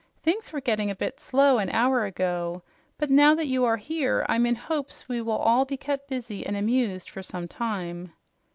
Things were getting a bit slow an hour ago, but now that you are here, I'm in hopes we will all be kept busy and amused for some time."